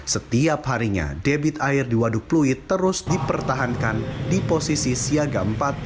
setiap harinya debit air di waduk pluit terus dipertahankan di posisi siaga empat